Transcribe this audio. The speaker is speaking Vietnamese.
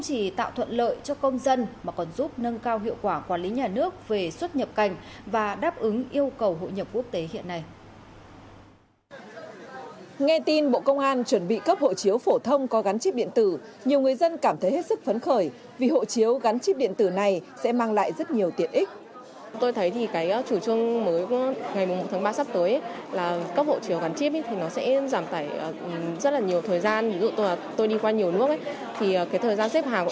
ví dụ tôi đi qua nhiều nước thì thời gian xếp hàng cũng như là làm thủ tục sẽ rút ngắn hơn